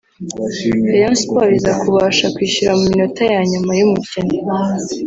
Rayon Sports iza kubasha kwishyura mu minota ya nyuma y’umukino